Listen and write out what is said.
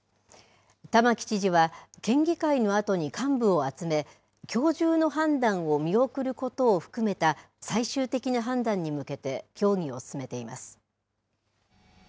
玉城知事は、県議会のあとに幹部を集め、きょう中の判断を見送ることを含めた最終的な判断に向けて、協議を進めています。